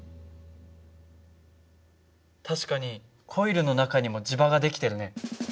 確かにコイルの中にも磁場が出来てるね。